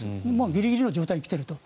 ギリギリの状態に来ていると。